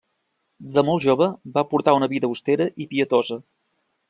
De molt jove, va portar una vida austera i pietosa.